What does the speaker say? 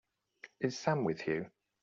Is Sam with you?